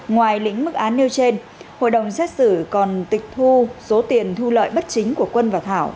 ngoài lĩnh mức án nêu trên hội đồng xét xử còn tịch thu số tiền thu lợi bất chính của quân và thảo